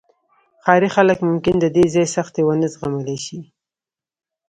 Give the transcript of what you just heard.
ښاري خلک ممکن د دې ځای سختۍ ونه زغملی شي